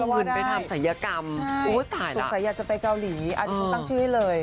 เอาเงินไปทำศัยกรรมสุขศัยอยากจะไปเกาหลีอาจจะตั้งชีวิตให้เลย